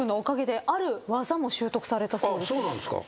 そうなんすか。